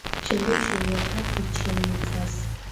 შემდეგ შეუერთდა „ვიჩენცას“.